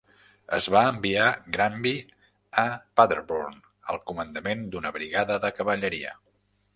Es va enviar Granby a Paderborn al comandament d'una brigada de cavalleria.